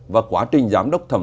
và quá trình giám đốc thầm